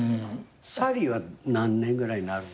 サリーは何年ぐらいになるんですか？